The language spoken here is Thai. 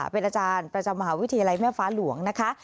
เป็นอาจารย์ประจำมหาวิทยาลัยแม่ฟ้าหลวงนะคะ